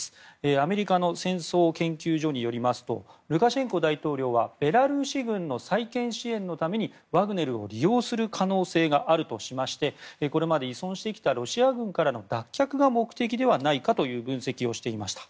アメリカの戦争研究所によりますとルカシェンコ大統領はベラルーシ軍の再建支援のためにワグネルを利用する可能性があるとしましてこれまで依存してきたロシア軍からの脱却が目的ではないかという分析をしていました。